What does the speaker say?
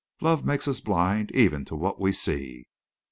Love makes us blind even to what we see."